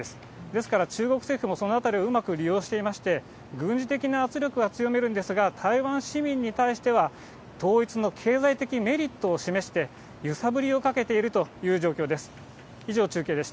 ですから中国政府もそのあたりもうまく利用していまして、軍事的な圧力は強めるんですが、台湾市民に対しては、統一の経済的メリットを示して、ゆさぶりをかけているという状況です。